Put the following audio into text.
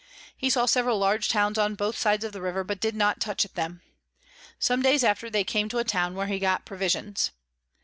He saw several large Towns on both sides the River, but did not touch at them. Some days after they came to a Town where he got Provisions.